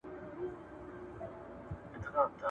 هغه به د مذهبي مخکښانو